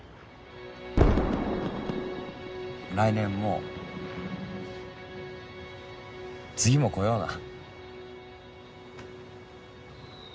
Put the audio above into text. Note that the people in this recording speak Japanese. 来年も次も来ような。